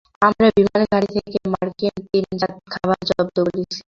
আমরা বিমান ঘাঁটি থেকে মার্কিন টিনজাত খাবার জব্দ করেছি।